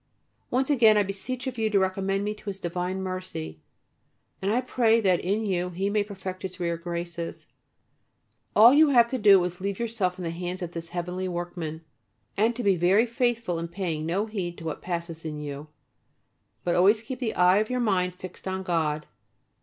Once again I beseech of you to recommend me to His divine mercy, and I pray that in you He may perfect His rare graces. All you have to do is to leave yourself in the hands of this heavenly Workman, and to be very faithful in paying no heed to what passes in you, but always keep the eye of your mind fixed on God.